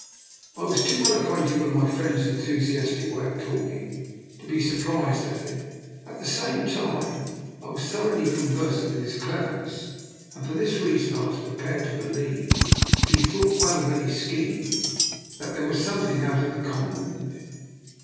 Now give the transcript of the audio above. I was too well acquainted with my friend's enthusiastic way of talking to be surprised at it; at the same time I was thoroughly con versant with his cleverness, and for this rea son I was prepared to believe, if he thought well of any scheme, that there was something out of the common in it.